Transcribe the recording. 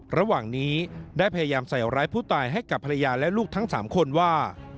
ระหว่างนี้ได้พยายามใส่ร้ายผู้ตายให้กับภรรยาและลูกทั้ง๓คนว่า